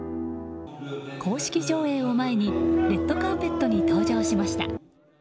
公式上映を前にレッドカーペットに登場しました。